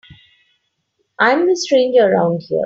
I'm the stranger around here.